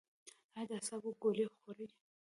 ایا د اعصابو ګولۍ خورئ؟